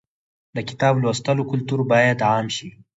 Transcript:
د کتاب لوستلو کلتور باید عام شي.